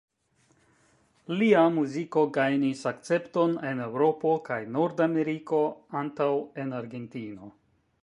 Lia muziko gajnis akcepton en Eŭropo kaj Nord-Ameriko antaŭ en Argentino.